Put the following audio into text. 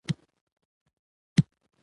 ډيوه په مور ډېره ګرانه ده